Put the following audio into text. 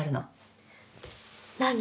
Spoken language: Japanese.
何？